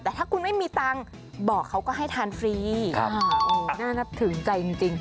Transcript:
แต่ถ้าคุณไม่มีตังค์บอกเขาก็ให้ทานฟรีน่านับถือใจจริง